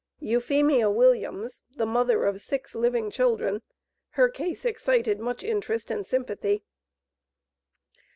Euphemia Williams (the mother of six living children), her case excited much interest and sympathy.